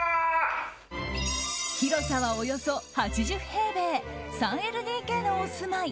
広さはおよそ８０平米３ＬＤＫのお住まい。